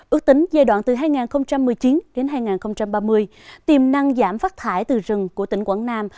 ước tính giai đoạn từ hai nghìn một mươi chín đến hai nghìn ba mươi tiềm năng giảm phát thải từ rừng của tỉnh quảng nam